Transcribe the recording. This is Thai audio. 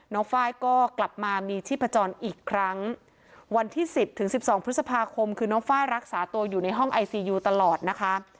ไฟล์ก็กลับมามีชีพจรอีกครั้งวันที่สิบถึงสิบสองพฤษภาคมคือน้องไฟล์รักษาตัวอยู่ในห้องไอซียูตลอดนะคะ